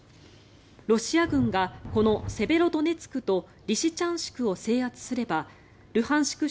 ロシア軍がこのセベロドネツクとリシチャンシクを制圧すればルハンシク